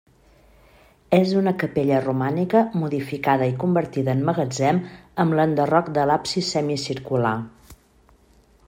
És una capella romànica modificada i convertida en magatzem amb l'enderroc de l'absis semicircular.